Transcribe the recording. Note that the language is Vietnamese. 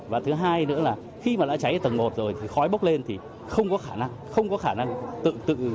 và thứ hai nữa là khi mà đã cháy ở tầng một rồi thì khói bốc lên thì không có khả năng không có khả năng tự